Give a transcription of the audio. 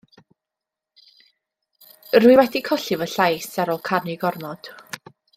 Rwy wedi colli fy llais ar ôl canu gormod.